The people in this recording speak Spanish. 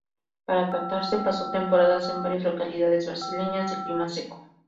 Para tratarse pasó temporadas en varias localidades brasileñas de clima seco.